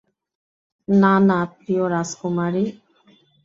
না, না, প্রিয়, রাজকুমারী।